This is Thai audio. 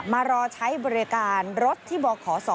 มารอใช้บริการรถที่บขศ